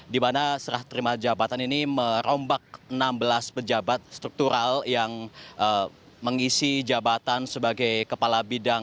di mana serah terima jabatan ini merombak enam belas pejabat struktural yang mengisi jabatan sebagai kepala bidang